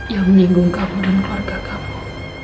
yang menyinggung kamu dan keluarga kamu